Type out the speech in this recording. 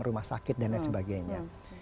rumah sakit dan lain sebagainya